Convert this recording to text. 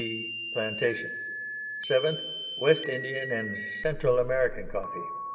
b. Plantation. _VII. West Indian and Central American Coffee.